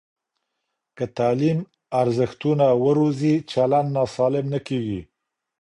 که تعلیم ارزښتونه وروزي، چلند ناسالم نه کېږي.